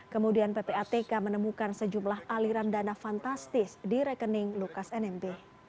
kemudian ppatk menemukan sejumlah aliran dana fantastis di rekening lukas nmb